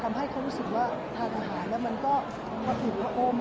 ทำให้เขารู้สึกว่าถ่ายอาหารแล้วมันเป็นอยู่ของอม